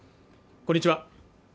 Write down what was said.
こんにちは